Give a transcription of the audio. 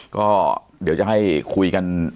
ก็เดี๋ยวจะให้คุยกัน